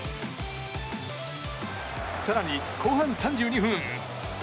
更に後半３２分。